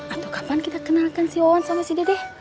atau kapan kita kenalkan si wawan sama si dede deh